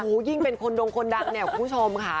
โอ้โหยิ่งเป็นคนดงคนดังเนี่ยคุณผู้ชมค่ะ